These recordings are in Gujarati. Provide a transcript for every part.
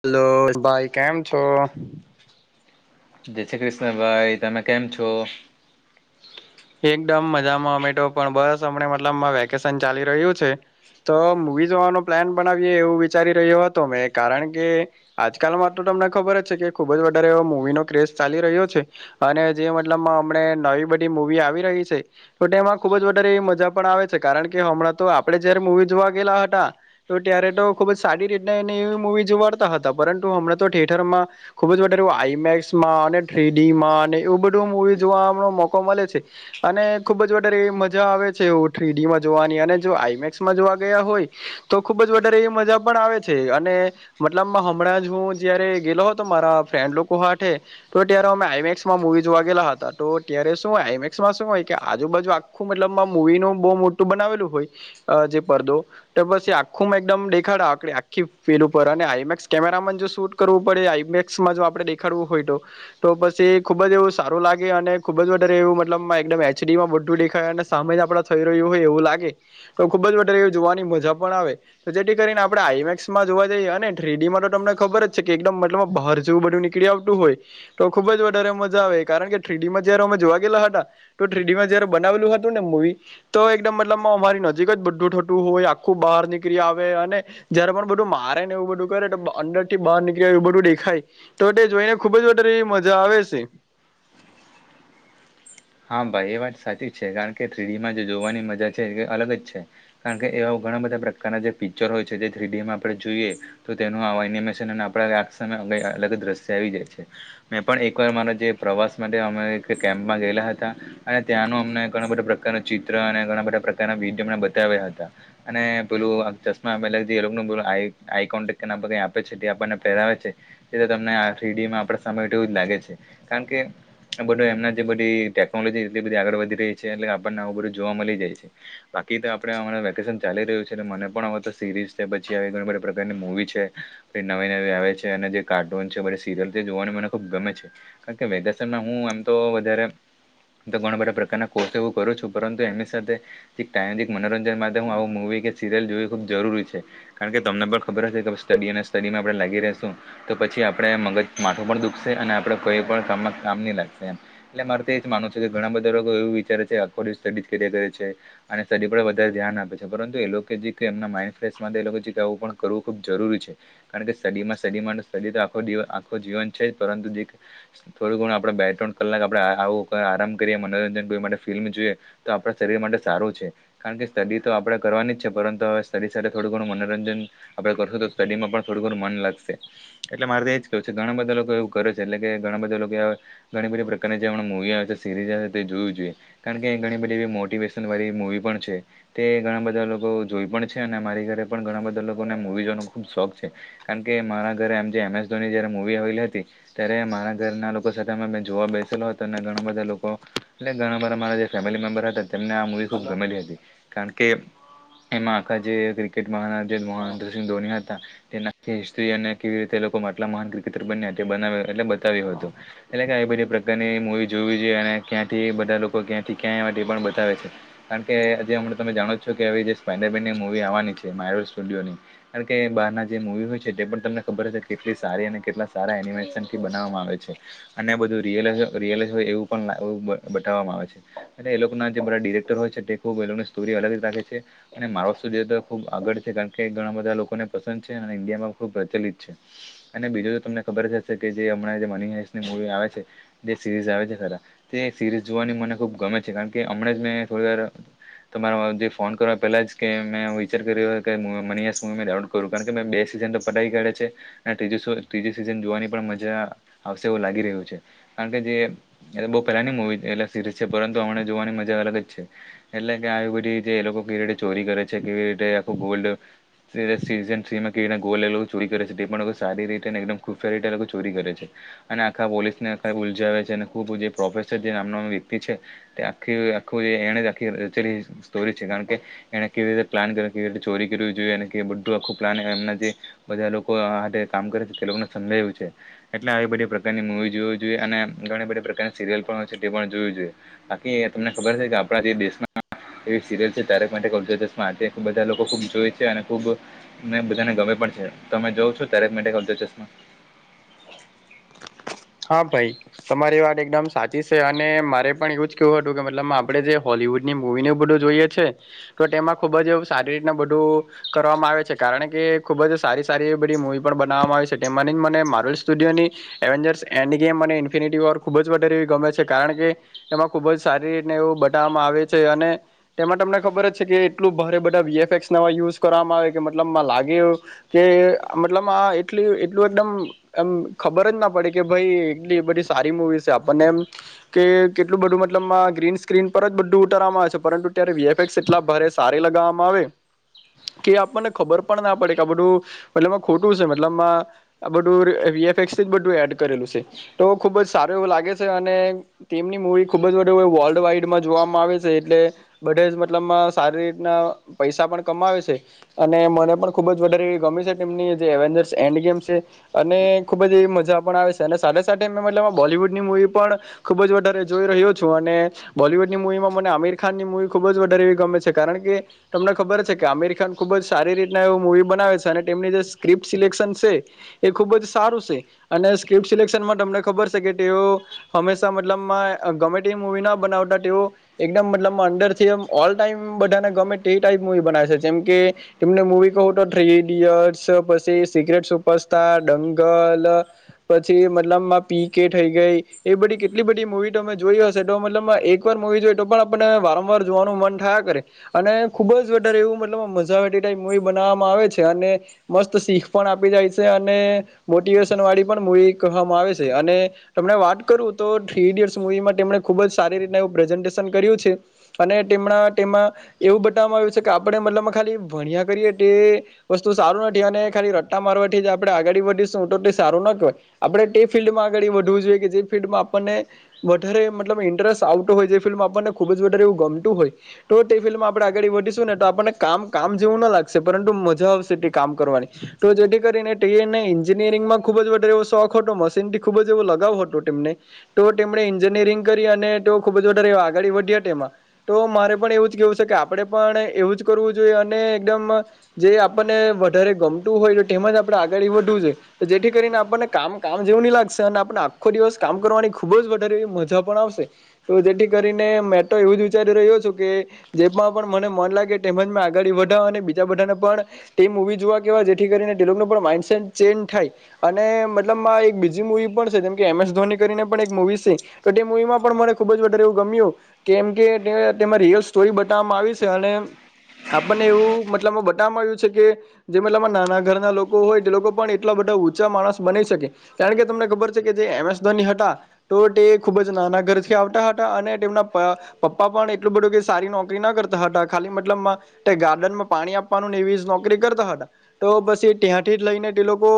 હેલો ભાઈ કેમ છો? જય શ્રી ક્રષ્ણભાઈ તમે કેમ છો? એકદમ મજામાં અમે તો પણ બસ અમને મતલબ આમાં વેકેશન ચાલી રહ્યું છે તો મુવી જોવાનો પ્લાન બનાવીએ એવું વિચારી રહ્યો હતો મેં કારણ કે આજકાલમાં તો તમને ખબર જ છે કે ખુબ જ વધારે એવો મુવીનો ક્રેઝ ચાલી રહ્યો છે અને જે મતલબમાં અમને નવી બધી મુવી આવી રહી છે તો એમાં ખુબ જ વધારે મજા પણ આવે છે કારણ કે હમણાં તો આપણે જ્યારે મુવી જોવા ગયેલા જતા હતાં તો ત્યારે તો ખુબ જ સારી રીત એવી મુવી જોવાડતા હતા પરંતુ હમણાં તો થિયેટરમાં ખુબ જ વધારે આઈમેક્સમાં અને થ્રીડીમાં એવું બધું મુવી જોવા મોકો મળે છે અને ખુબ જ વધારે મજા આવે છે એ થ્રીડીમાં જોવાની અને જો આઈમેક્સમાં જોવા ગયા હોય તો ખુબ જ વધારે એ મજા પણ આવે છે અને મતલબ હમણાં જ હું જ્યારે ગયેલો હતો ફ્રેન્ડ લોકો સાથે તો ત્યારે અમે આઇમેક્સમાં મુવી જોવા ગયેલા હતાં તો ત્યારે શું શું હોય કે આજુબાજુ આખું મતલબમાં મુવીનું બહુ મોટું બનાવેલું હોય જે પડદો તો બસ એ આખું એકદમ દેખાડે આ આખી ફીલ ઉપર અને આઈમેક્સ કેમેરામાં જો શૂટ કરવું પડે આ મેક્સમાં જો આપણે દેખાડવું હોય તો પછી ખુબ જ એવું સારું લાગે અને ખુબ જ વધારે એવું એચડીમાં બધું દેખાય અને સામે જ આપણા થઈ રહ્યું હોય એવું લાગે તો ખુબ જ વધારે જોવાની મજા પણ આવે તો જેથી કરીને આપણે આઈમેક્સમાં જોવા જઈએ અને થ્રીડી માં તો તમને ખબર જ છે કે એકદમ મતલબ બહાર જોવું બધું નીકળી આવતું હોય તો ખુબ જ વધારે મજા આવે કારણ કે થ્રીડી માં જયારે અમે જોવા ગયેલા હતા તો થ્રીડીમાં જયારે બનાવેલું હતું ને મવી તો એકદમ મતલબ અમારી નજીક જ બધુંઠોટું હોય આખું બહાર નીકળી આવે અને જયારે પણ બધું મારે ને એવું બધું કરે તો અંદરથી બહાર નીકળી આવે એવું બધું દેખાય થ તો તે જોઈને ખુબ જ વ મજા આવે છે હા ભાઈ એ વાત સાચી છે કારણ કે ટ્રીડીમાં જે જોવાની મજા છે એ અલગ જ છે કારણ કે એ ઘણા બધા પ્રકારના જે ફીચર હોય છે જે થ્રીડીએમમાં આપણે જોઈએ તો તેનું એનિમેશન અને આપણે આ સમમે અલગ દ્રશ્ય આવી જાય છે મેં પણ એકવાર મારા જે પ્રવાસ માટે અ કેમ્પમાં ગયેલા હતા અને ત્યાંનો અમને ઘણા બધા પ્રકાર ન ચિત્ર અને ઘણા બધા પ્રકારના વિડીયો અમને બતાવ્યા હતા અને પેલું ચશ્મા પેલા જે પે આઈ કોન્ટેક આપે છે તે આપણને પહેરાવે છે તમને આડીમાં આપ સમયવું લાગે છે કારણ કે બધું એમના જે બધી એટ બધી આગળ વધી રહી છે એટલે આપણનેું બધું જોવા મળી જાય છે બાકી તો આપે વેકેશન ચાલી છે મ પણ સ પછી પ્રકારની મુવી છે નવી નવી આવે છે અને કાર્ટૂ છે સીરયલ જોવાને મને ખુબ ગમે છે કારણ કે વેદાશમાં હું એમ તો વધારે તો ઘણા બધા પ્રકારના કોર્સ એવું કરું છું પરંતુ એમની સાથેમ મનોરંજન માટે હું આવું મવી સીરિયલ જો ખબ જરૂરી છે કારણ કે તમને પણ ખબર હશે કે સ્ટડી અને સ્ટમાં આપણે લાગી રશું તો પછી પછી આપણે મગજ માથું પણ દુખશે અને આપણે કોઈ પણ કામ કામ નહી લાગશે એમ એટલે મારે માનું છ છે કે ઘણા બધા લોકો એવું વિચારે છે આખો સ્ટ કે કરે છે અને સ્ટ પર વધારે ધ્યાન આપે છે બબ એ લોકો જે એ માન્ડ આવું પણ કરવું ખૂબ જરૂરી છે કારણ કે શરીરમાં શરીર આખો આખો જીવન છે જ પરંતુ જે થોડું ગણ આપણે બે ત્રણ કલાક આપડે આવું આરામ કરીએ મનોરંજન કો માટે ફિલ્મ જોઈએ તો આપણા શરીર માટે સારું છે કારણ કે સ્ટડી તો આપણે કરવાની જ છે પરંતુ હવે સ્ટડી સાથે થોડું ઘણું મનોરંજન આપડે કરશું તો સ્ટડીમાં પણ થોડું ઘણું મન લાગશે એટલે મારે તો એજ કેવું છે ઘણા બધા લોકો એવું કરે છે એટલે કે ઘણા બધા લોકો એ ઘણી બધી પ્રકારની જેમ મવી છે સ હશે તે જોવી જોઈએ કારણ કે ઘણી બધી એવી મોટિવેશનલ વાળી મુવી પણ છે તે ઘણા બધા ઈ પણ છે મા ઘરે પણ ઘણા બધા લોકોને મવી જોવાનો ખુબ શોખ છે કારણ કે મારા ઘરે એ એમ એસ ધોની જારે મવી આવેલી હતી ત્યારે મારા ઘરના લોકો સાથે અમે જોવા બેસેલો હતો અને ઘ બધા લોકો એ ઘણા બરા જે ફેમિલી મેમ્બર હતા તેમને આ મુવી ખુબ ગમેલી હતી કારણ કે એમાં આખા જે ક્રિકેટમાં મહેન્દ્રસિંહ ધોની હતા િ અને કેવી રીતે લોકોટલા મહાન ક્રિકેટર બન્યા તે બ એટલે બતાવ્યું હતું એટલે કે બધી પ્રકારની જોવી જોઈએ અને ક્યાંથી બધા લોકો ક્યાંથી ક્યાં એ માટે એ પણ બતાવે છે કારણ કે આજે હમણાં તમે જાણો જ છો જે સ્પાઈડર બેનની મુવી આવવાની છે માયરોલ સ્ટુડિયોની કારણ કે બહાર ના જે મુવી હોય છે તે પણ તમને સ એ બ આવે છે અને બું એ બ આવે જે બધ ડિરેક્ટર હોય છે ખબની સ્ટો અલગ ર મા ખબ આગળ છે કારણ કે ઘણા બધા લોકોને પસંદ છે અને ઇન્ડિયામાં ખબ પ્રચલિત અને બીજું તમને ખબર જ હશે કે જે હમણાં જે મની હની મુવી આવે છે સિરીઝ આવે છે ખરા તે સિરીઝ જોવાની મને ખૂબ ગમે છે કારણ કે હમણાં જ મેં થોડી વાર તો મારા જે ફોન કરવા પેલા જ કે મેં વિચાર કર્યો કે મની હું ડાઉલોટ કરું કારણ કે મે બેસી પ કાઢે છે ત્રીજી સિઝન જોવાની પણ મજા આવશે એવું લાગી રહ્યું છે કાર જે બહ પહેલાની મુવી એ સિરી છે પરંતુ હમણા જોવાની મજા અલગ જ છે એટલે કે એ લોકો કેવી રીતે ચોરી કરે છે કેવી રીતે આખું ગોલ્ડ સીઝન્રીમાં કેવી ગોલ લોકો ચોરી કરે છે તે પણ લોકો સારી રીતેમ ખુબ સારી રીતે ચોરી કરે છે અને આખા પોલીસને ઉજાવ છે અને ખૂબ જે પ્રોફેસર જે નામના વ્યક્તિ છે તે આખી આખું એણે જ આખી ર સ્ટોરી છે કારણ કે એને કેવી રીતે પ્લાન કર કેવી રીતે ચોરી કરવી જોઈએ બધું આખું પ્લાન એમના જે બધા લોકો આ કામ કરે છે તે લોકોને સમજું છે એટલે આવી બધી પ્રકારની મૂવી જોવી જોઈએ અને ઘણી બધી પ્રકારની સિરિયલ પણ હોય છે તે પણ જોયું જોઈએ બાકી તમને ખબર છે કે આપણા જે દેશના એવી સીરિયલ છે ત માટેસમાં બધા લોકો ખુબ જોય છે અને ખુબ બધાને ગમે તમે જોઉ છો ત્યારે મેડશ [unintelligible] હા ભાઈ તમારી વાત એકદમ સાચી છે અને મારે પણ એવું જ કેવું હતું કે મતલબ આપડે જે હોલવુડ [inaudible] મુવીને એવું બધું જોઈએ છે તો તેમાં ખુબ જ એવું સારી રીતના બધું કરવામાં આવે છે કારણ કે ખૂબ જ સારી સારી એવી બધી મુવી પણ બનાવવામાં આવી સ. તેમાંની મને મારુલ સ્ટુડિયોની એવેન્જર્સ એની ગેમ મને ઇન્ફિનિટી ઓર ખુબ જ વધારે એવી ગમે છે કારણ કે એમાં ખુબ જ સારી રીતને એવું બતાવામાં આવ આવે છે. અને તેમાં તમને ખબર જ છે કે એટલું ભારે બધા વીએ ફેકસ નવા યુઝ કરવામાં આવે કે મતલબ લાગે કે મતલબ આ એટલુ એટલું એકદમ એમ ખબર જ ના પડે કે ભઈ એટલી બધી સારી મુવી છે. આપણને એમ કે કેટલું બધું મતલબ ગ્રીન સ્ક્રીન પર જ બધું ઉતારવામાં આવે છે. પરંતુ ત્યારે વીએફેકસ એટલા ભારે સારે લગાવવામાં આવે કે આપણને ખબર પણ ના પડે કે આ બધું મતલબ આ ખોટું છે. મતલબમાં આ બધું વીએફેકસ જ બધું એડ કરેલું સે. તો ખુબ જ સારું એવું લાગે છે અને તેમની મૂવી ખુબ જ બધે વર્લ્ડ વાઈડમાં જોવા વામાં આવે છે એટલે બધે જ મતલબ સારી રીતના પૈસા પણ કમાવે છે. અને મને પણ ખુબ જ વધારે એવી ગમે છે. તેમની જે એવેન્જર્સ એન્ડ ગેમ છે અને ખુબ જ એવી મજા પણ આવે સે છે અને સાથે સાથે મેં મતલબ આ બોલીવુડની મુવી પણ ખુબ જ વધારે જોઈ રહ્યો છું અને બોલીવુડની મુવી એમાં મને આમીરખાન ની મૂવી ખુબ જ વધારે એવી ગમે છે. કારણ કે તમને ખબર છે કે આમીરખાન ખુબ જ સારી રીતના એવું મુવી બનાવે છે અને તેમની જે સ્ક્રિપ સિલેક્શન સે એ ખુબ જ સારું સે અને સ્કિપ્ટ સિલેક્શનમાં તમને ખબર સે કે તેઓ હંમેશા મતલબમાં ગમે તે મુવી ના બનાવતા તેઓ એકદમ મતલબ અંદરથી એમ ઓલ ટાઈમ બધાને ગમે તેવી ટાઈપ મૂવી બનાવે છે. જેમકે તેમને મુવી કહું તો થ્રી ઇડિયટ્સ પછી સિક્રેટ સુપરસ્ટાર, દંગલ, પછી મતલબમાં પી કે થઈ ગઈ એ બધી કેટલી બધી મુવી તમે જોઈ હશે તો મતલબમાં એકવાર હોવી જોઈએ તો પણ આપણને વારંવાર જોવાનું મન થયા કરે અને ખુબ જ વધારે એવું મતલપ મજા આવે તે ટાઈપ મુવી બનાવામાં આવે છે. અને મસ્ત શીખ પણ આપી જાય છે. અને મોટિવેશન વાળી પણ મુવી કહેવામાં આવે છે. અને તમને વાત કરું તો થ્રી ઈડિયટસ મુવીમાં તેમને ખુબ જ સારી રીતના એવું પ્રેઝન્ટેશન કર્યું છે. અને તેમણા તેમાં એવું બતાવવામાં આવ્યું છે કે આપણે મતલબ ખાલી ભણ ભણ્યા કરીએ તે વસ્તુ સારું નથી અને ખાલી રટ્ટા મારવા થી જ આપણે આગાડી વધીશું તો તે સારું નથ તોય આપણે તે ફિલ્ડમાં આગડી વધવું જોઈએ કે જે ફિલ્ડમાં આપણને વધારે મતલબ ઇન્ટરેસ્ટ આવતો હો જે ફિલ્ડમાં આપણને ખૂબ જ વધારે એવું ગમતું હોય તો તે ફિલ્ડમાં આપણે આગળ વધીશું ને તો આપણને કામ કામ જેવું ન લાગશે પરંતુ મજા આવશે તે કામ કરવાની, તો જેથી કરીને ટીએ ને એન્યરિંગમાં ખુબ જ વ ધારે એવો શોખ હતો મશીનથી ખુબ જ એવો લગાવ હતો તેમને, તો તેમણે એન્જિનિયરિંગ કરી અને તેઓ ખુબ જ જ વધારે આગળી વધ્યા તેમાં તો મારે પણ એવું જ કેવું છે કે આપડે પણ એવું જ કરવું જોઈએ, અને એકદમ જે આપણને વધારે ગમતું હોય તો તેમાં જ આપણે આગળી વધુ જોએ, તો જેથી કરીને આપણને કામ કામ જેવું ની લાગશે અને આપને આખો દિવસ કામ કરવાની ખુબ જ વધારે એવી મજા પણ આવશે, તો જેથી કરીને મેં તો એવું જ વિચારી રહ્યો છું, કે જેમાં પણ મને મન લાગે તેમજ મેં આગાડી વધાવા અને બીજા બધાને પણ તે મુવી જોવા કેવાય જેથી કરીને તે લોકનું પણ માઈન્ડ સેટ ચેન્જ થાય અ અને મતલબમાં એક બીજી મુવી પણ છે, જેમ કે એમ એસ ધોની કરીને પણ એક મુવી સે, તો તે મુવીમાં પણ મને ખુબ જ વધારે એવું ગમ્યું કેમ કે તે તેમાં રિયલ સ્ટોરી બતાવવામાં આવી સે અને આપણને એવું મતલબમાં બટામાં આવ્યું છે કે, જે મતલબમાં નાના ઘરના લોકો હોય જે લોકો પણ એટલા બધા ઉ ઊંચા માણસ બની શકે, કારણ કે તમને ખબર છે કે જે એમ એસ ધોની હતા તો તે ખુબ જ નાના ઘરથી આવતા હતા, અને તેમના પ પપ્પા પણ એટલું બધું કે સારી નોકરી ન કરતા હતા ખાલી મતલબમાં ટ્રે ગાર્ડનમાં પાણી આપવાનું ને એવી જ નોકરી કરતા હતા, તો પસી ત્યાંથી જ લઈને તે લોકો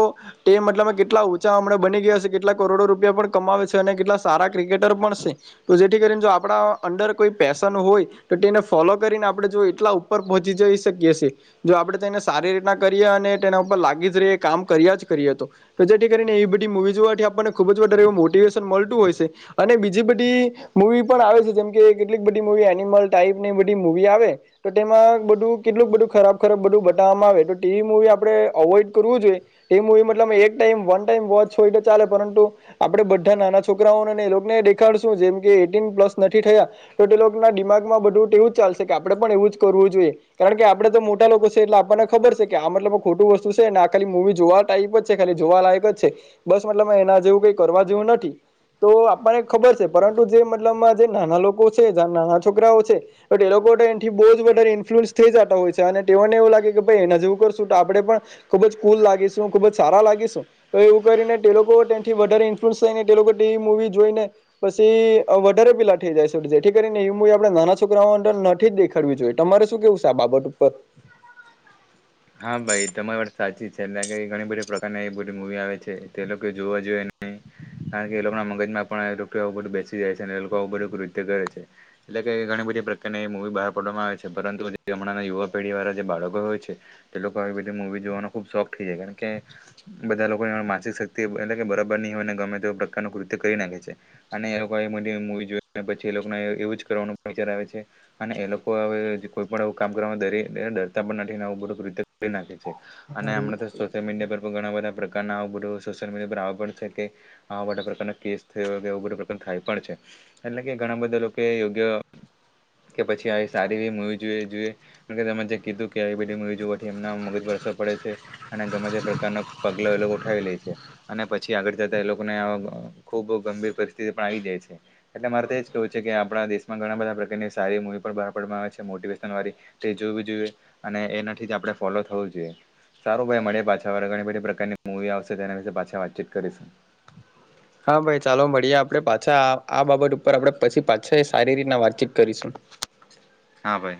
તે મતલબ કેટલા ઊંચા હમણાં બની ગયા સે, કેટલા કરોડો રૂપિયા પણ કમાવે છે, અને કેટલા સારા ક્રિકેટર પણ સે. તો જેથી કરીને જો આપણા અંદર કોઈ પેશન હોય તો તેને ફોલો કરીને આપણે જો એટલા ઉપર પહો ચી જઈ શકીએ સીએ, જો આપણે તેને સારી રીતના કરીએ અને તેના ઉપર લાગી જ રહી એ કામ કર્યા જ કરીએ તો તો જેથી કરીને એવી બધી મુવી જોવાથી આપણને ખૂબ જ વધારે એવું મોટીવેશન મલતું હોય સે, અને બીજી બધી મુવી પણ આવે છે જેમ કે કેટલીક બધી મુવી એનિમલ ટાઈપની બધી મુવી આવે તો તેમાં માં બધું કેટલુંક બધું ખરાબ ખરાબ બધું બતાવામાં આવે તો તેવી મુવી આપડે અવોઈડ કરવું જોઈએ. એ મુવી મતલબ એક ટાઈમ વન ટાઈમ વોચ હોય તો ચાલે પરંતુ આપણે બધા નાના છોકરાઓને અને એ લોકને શીખવાડશું જેમ કે એટીન પ્લસ નથી થયા તો તે લોકના દિમાગમાં બધું તેવું ચાલશે કે આપડે પણ એવું જ કર વું જોઈએ, કારણ કે આપણેે તો મોટા લોકો સે એટલે આપણને ખબર સે કે આ મતલબ ખોટું વસ્તુ સે ને આ ખાલી મુવી જોવા ટાઈપ જ છે ખાલી જોવાલાયક જ છે, બસ મતલબ એના જેવું કઈ કરવા જેવું નથી. તો આપણને ખબર છે પરંતુ જે મતલબમાં જે નાના લોકો છે જ નાના છોકરાઓ છે તો તે લોક એથી બોજ વધારે ઇન્ફ્લુઅન્સ થઈ જતા હોય છે, અને તેઓને એવું લાગે કે ભાઈ એના જેવું કરશું આપણે પણ ખૂ કુલ લાગીશું. હું ખુબ જ સારા લાગીશું તો એવું કરીને તે લોકો તેથી વધારે ઇન્ફલુઅન્સ થાયને તે લોકો ટીવી મુવી જોઈને પછી વધારે પેલા થઈ જાય છે એથી કરીને એ મૂવી આપણે નાના છોકરાઓ અંદર નથી જ દેખાડવી જોઈએ. તમારે શું કેવું છે આ બાબત ઉપર? હા ભાઈ તમારી વાત સાચી છે, એટલે ઘણી બધી પ્રકારના એ બધી મુવી આવે છે તે લોકો જોવા જોઈએ. હમ્મ. કારણ કે એ લોકોના મગજમાં પણ બધું બેસી જાય છે, અને એ લોકો આવ બધું કૃત્ય કરે છે એટલે કે ઘણી બધી પ્રકારને એ મુવી બહાર પાડવામાં આવે છે પરંતુ ગમણાંના યુવા પેઢી વાળા જે બાળકો હોય છે. એ લોકો આવી બધી મૂવી જોવાનો ખૂબ શોખ થઈ જાય કારણ કે બધા લોકોની માનસિક શક્તિ એટલે કે બરાબર ની ને ગમે તો પ્રકાર ન કૃત્ય કરી નાખે છે અને એ લોકોવી જોઈ પછી એ લોકો એવું જ કરવાન છે અને એ લોકો હવે કોઈ પણ કામ કરવા ડરે ડરતા પણ નથી ને રી કરી નાખે છે અને હારું હમણા તો સોશિયલ મીડિયા પર ઘણા બધા પ્રકાર બધો સોશિયલ મીડિયા પર આવા પણ છે કે આવા બધા પ્રકારનો કેસ થયો એ બધો પ્રકાર થાય પણ છે. એટલે કે ઘણા બધા લોકો યોગ્ય કે પછી આવી સારી એવી જોએ જોએ તમે જે કીધું કે આવી બધી જો મગજ પર અસર પડે છે, અને ગમે તે પ્રકારનો પગલો એ લોકો ઉઠાવી લે છે, અને પછી આગળ એ લોકોને ખુબ ગંભીર પરિસ્થિતિ આવી જાય છે, એટલે મારે તો એજ કેવું છે કે આપણા દેશમાં ઘણા બધા પ્રકારની સારી મુવી પણ બહાર પાડવામાં આવે છે, મોટિવેશન વાળ તે જોવી જોઈએ અને એનાથી જ આપણે ફોલો થવું જોઈએ. સારું ભાઈ મળે પાછા વા ઘણી બધી પ્રકારની મૂવી આવશે તેના વિશે પાછા વાતચીત કરીશું. હા ભાઈ ચાલો મળીએ આપણે પાછા આ બાબત ઉપર આપે પછી પાછા સારી રીતના વાતચીત કરીશું. [unintelligible] હા ભાઈ.